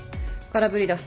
空振りだ。